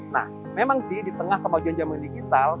nah memang sih di tengah kebagian jaman digital